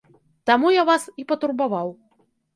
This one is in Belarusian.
Таму я вас і патурбаваў.